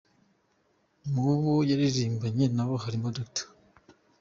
Mu bo yaririmbanye na bo harimo Dr.